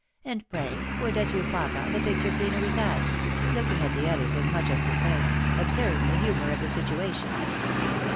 And, pray, where does your papa, the picture cleaner, reside ?" looking at the others as much as to say, " Observe the humour of the situation."